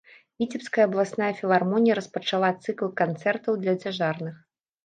Віцебская абласная філармонія распачала цыкл канцэртаў для цяжарных.